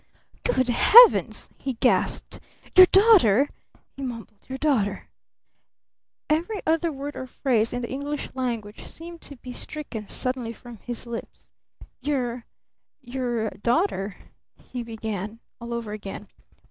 "Good Heavens!" he gasped. "Your daughter?" he mumbled. "Your daughter?" Every other word or phrase in the English language seemed to be stricken suddenly from his lips. "Your your daughter?" he began all over again.